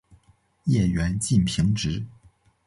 叶缘近平直。